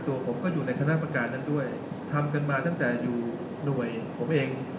ตัวผมก็อยู่ในคณะประการนั้นด้วยทำกันมาตั้งแต่อยู่หน่วยผมเอง